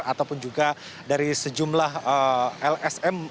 ataupun juga dari sejumlah lsm